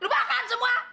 lu makan semua